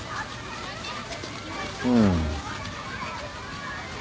うん。